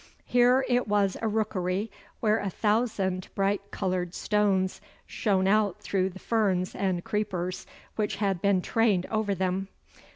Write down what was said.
Here it was a rockery where a thousand bright coloured stones shone out through the ferns and creepers which had been trained over them.